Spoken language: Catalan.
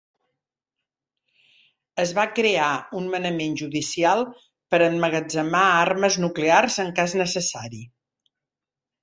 Es va crear un manament judicial per emmagatzemar armes nuclears en cas necessari.